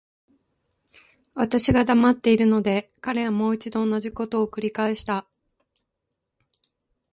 私が黙っているので、彼はもう一度同じことを繰返した。